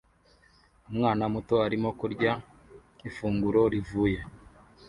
Umwana muto arimo kurya ifunguro rivuye